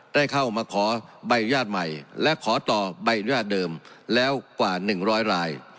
ได้เข้ามาขอใบอนุญาตใหม่และขอต่อใบอนุญาตเดิมแล้วกว่า๑๐๐ราย